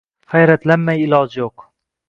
hayratlanmay ilojim yo’q!